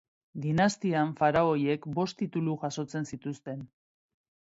Dinastian, faraoiek bost titulu jasotzen zituzten.